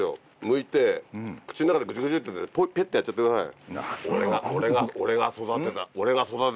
むいて口の中でぐちゅぐちゅっとやってペッてやっちゃってください。